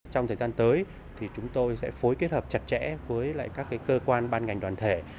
trong thời gian tới thì chúng tôi sẽ phối kết hợp chặt chẽ với các cơ quan ban ngành đoàn thể